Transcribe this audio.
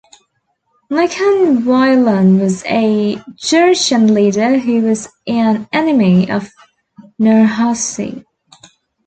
Nikan Wailan was a Jurchen leader who was an enemy of Nurhaci.